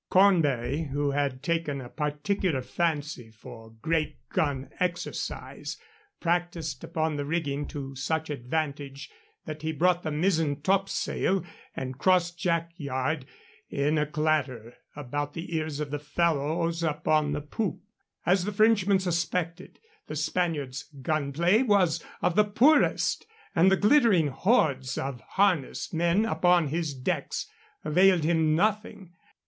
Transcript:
Cornbury, who had taken a particular fancy for great gun exercise, practised upon the rigging to such advantage that he brought the mizzen topsail and cross jack yard in a clatter about the ears of the fellows upon the poop. As the Frenchman suspected, the Spaniards' gun play was of the poorest, and the glittering hordes of harnessed men upon his decks availed him nothing.